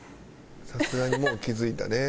さすがにもう気付いたね。